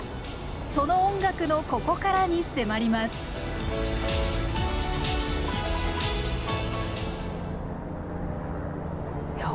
その音楽のここからに迫りますいや